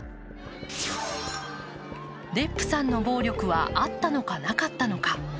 デップさんの暴力はあったのか、なかったのか。